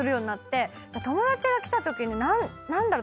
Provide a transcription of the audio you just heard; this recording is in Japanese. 友達が来たときに何だろう？